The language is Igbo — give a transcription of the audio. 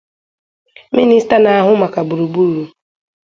Minịsta na-ahụ maka gburugburu